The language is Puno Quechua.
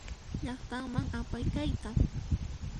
Llaqtaman apay kayta.